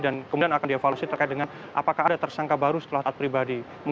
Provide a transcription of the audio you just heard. dan kemudian akan diavalusi terkait dengan apakah ada tersangka baru setelah taat pribadi